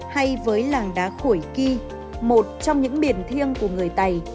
hay với làng đá khuổi kỳ một trong những biển thiêng của người tày